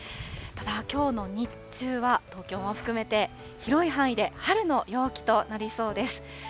ただ、きょうの日中は、東京も含めて、広い範囲で春の陽気となりそうです。